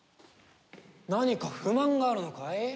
何か不満があるのかい？